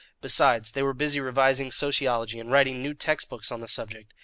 Besides, they were busy revising sociology and writing new text books on the subject.